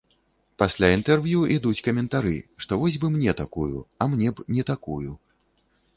Пасля інтэрв'ю ідуць каментары, што вось бы мне такую, а мне б не такую.